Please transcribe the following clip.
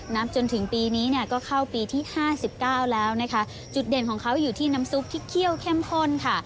จนถึงปีนี้เนี่ยก็เข้าปีที่ห้าสิบเก้าแล้วนะคะจุดเด่นของเขาอยู่ที่น้ำซุปที่เคี่ยวเข้มข้นค่ะ